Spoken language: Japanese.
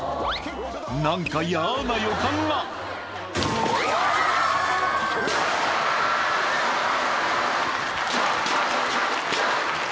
何か嫌な予感がうわ！